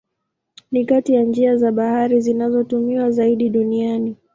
Ni kati ya njia za bahari zinazotumiwa zaidi duniani.